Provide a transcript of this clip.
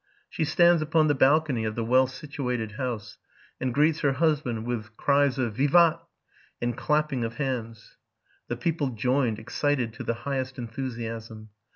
She stands upon the balcony of the well situated house, and greets her husband with cries of '* Vivat!'' and clapping of hands: the people joined, excited to the highest enthusiasm.